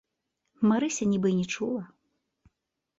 Марыся нібы і не чула.